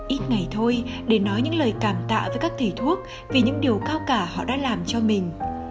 ít ngày thôi để nói những lời cảm tạ với các thầy thuốc vì những điều cao cả họ đã làm cho mình